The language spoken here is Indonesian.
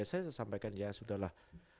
saya sampaikan ya sudah lah